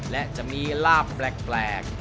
และจะมีลาบแปลก